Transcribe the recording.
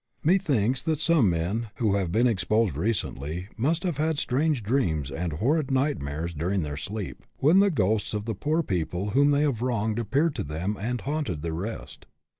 Methinks that some of the men who have been exposed recently must have had strange dreams and horrid nightmares during their sleep, when the ghosts of the poor people whom they have wronged appeared to them and haunted their rest.